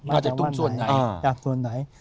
อาจจะตุ๊กส่วนไหน